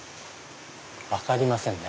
分かりませんね。